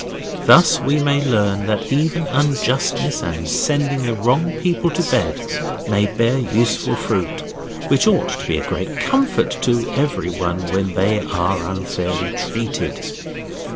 Thus we may learn that even unjustness and sending the wrong people to bed may bear useful fruit, which ought to be a great comfort to everyone when they are unfairly treated.